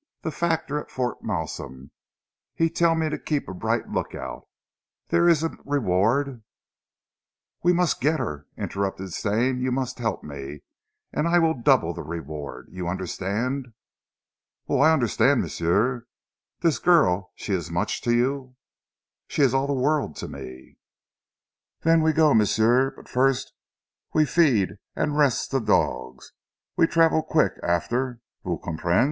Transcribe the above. The factor at Fort Malsun, he tell me to keep a bright look out. Dere ees a reward " "We must get her!" interrupted Stane. "You must help me and I will double the reward. You understand?" "Oui, I understand, m'sieu. Dis girl she ees mooch to you?" "She is all the world to me." "Den we go, m'sieu. But first we feed an' rest zee dogs. We travel queeck, after, vous comprenez?